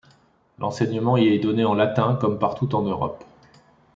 L'enseignement y est donné en latin comme partout en Europe.